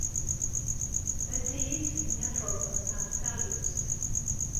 D atay ay tesmenyafed neɣ d taɣlust?